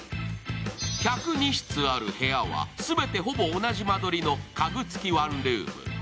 １０２室ある部屋は、全てほぼ同じ間取りの家具付きワンルーム。